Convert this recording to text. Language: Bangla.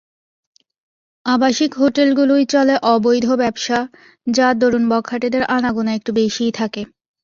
আবাসিক হোটেলগুলোয় চলে অবৈধ ব্যবসা, যার দরুণ বখাটেদের আনাগোনা একটু বেশিই থাকে।